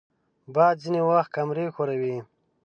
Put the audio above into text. باد ځینې وخت کمرې ښوروي